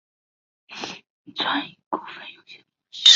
餐饮股份有限公司